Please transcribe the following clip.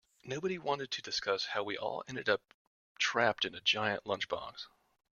Nobody wanted to discuss how we all ended up trapped in a giant lunchbox.